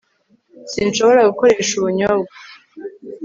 Si nshobora gukoresha ubunyobwa